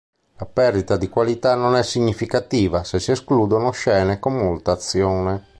La perdita di qualità non è significativa, se si escludono scene con molta azione.